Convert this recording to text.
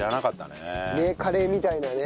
ねっカレーみたいなね。